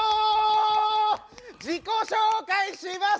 自己紹介します！